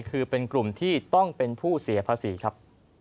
คือเป็นกลุ่มที่ต้องเป็นผู้เสียภาษีครับ